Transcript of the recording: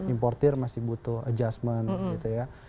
importir masih butuh adjustment